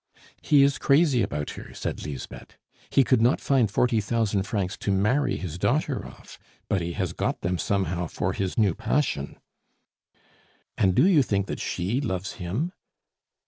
"He is crazy about her," said Lisbeth. "He could not find forty thousand francs to marry his daughter off, but he has got them somehow for his new passion." "And do you think that she loves him?"